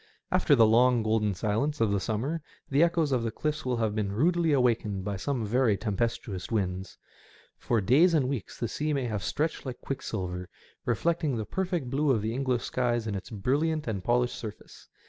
After the long golden silence of the summer the echoes of the cliffs will have been rudely awakened by some very tempestuous winds. For days and weeks the sea may have stretched like quicksilver, reflecting the perfect blue of the English skies in its brilliant and polished surface.